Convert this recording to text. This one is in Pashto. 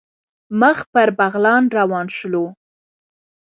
مخ پر بغلان روان شولو.